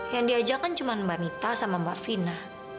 yang diajak kan cuman mbak mita sama mbak fina